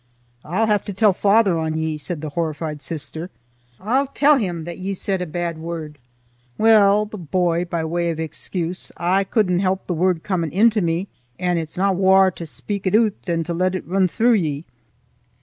"I'll have to tell fayther on ye," said the horrified sister. "I'll tell him that ye said a bad word." "Weel," said the boy, by way of excuse, "I couldna help the word comin' into me, and it's na waur to speak it oot than to let it rin through ye."